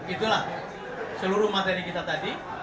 itulah seluruh materi kita tadi